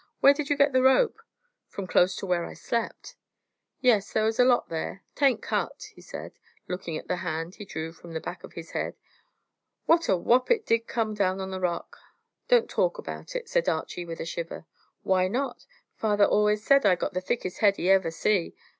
Where did you get the rope?" "From close to where I slept." "Yes, there was a lot there. 'Tain't cut," he said, looking at the hand he drew from the back of his head. "What a whop it did come down on the rock!" "Don't talk about it," said Archy, with a shiver. "Why not? Father allus said I'd got the thickest head he ever see.